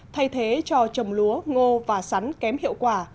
thay thế cho trồng lúa ngô và sắn kém hiệu quả